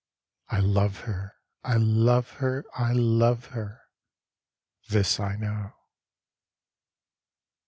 I love her, I love her, I love her, This I know.